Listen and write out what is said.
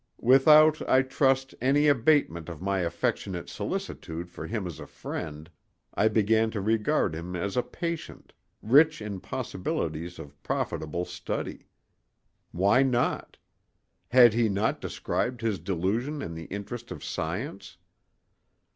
Without, I trust, any abatement of my affectionate solicitude for him as a friend, I began to regard him as a patient, rich in possibilities of profitable study. Why not? Had he not described his delusion in the interest of science?